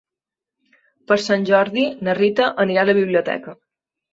Per Sant Jordi na Rita anirà a la biblioteca.